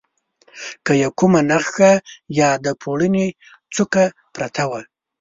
که یې کومه نخښه یا د پوړني څوکه پرته وه.